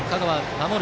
守る